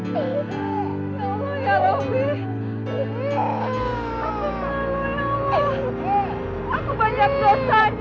terus gimana dong kan kita belum ketemukan ibu kamu